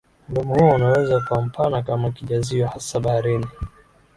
Mdomo huo unaweza kuwa mpana kama kijazio hasa baharini